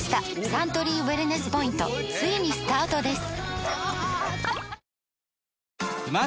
サントリーウエルネスポイントついにスタートです！